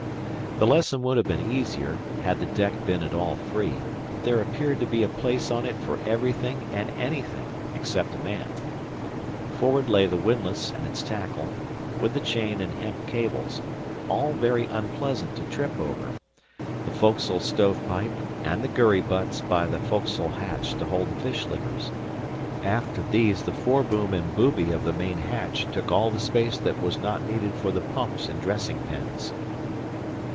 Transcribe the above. The lesson would have been easier had the deck been at all free; but there appeared to be a place on it for everything and anything except a man. Forward lay the windlass and its tackle, with the chain and hemp cables, all very unpleasant to trip over; the foc'sle stovepipe, and the gurry butts by the foc'sle hatch to hold the fish livers. Aft of these the foreboom and booby of the main hatch took all the space that was not needed for the pumps and dressing pens.